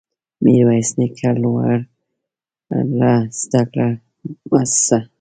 ميرويس نيکه لوړو زده کړو مؤسسه